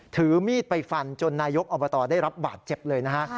ถือมีดไปฟันจนนายกอบตได้รับบาดเจ็บเลยนะฮะ